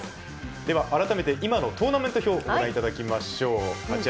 では、改めてトーナメント表をご覧いただきましょう。